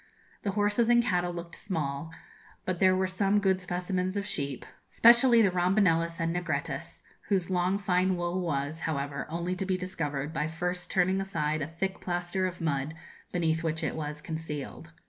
The horses and cattle looked small, but there were some good specimens of sheep specially the rombonellis and negrettis, whose long fine wool was, however, only to be discovered by first turning aside a thick plaster of mud, beneath which it was concealed.